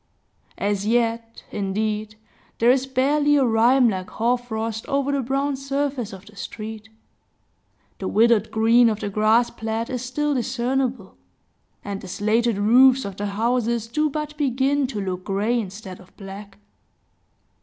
As yet, indeed, there is barely a rime like hoarfrost over the brown surface of the street; the withered green of the grass plat is still discernible; and the slated roofs of the houses do but begin to look gray, instead of black.